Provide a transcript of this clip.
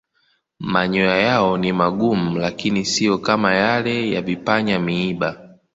Manyoya yao ni magumu lakini siyo kama yale ya vipanya-miiba.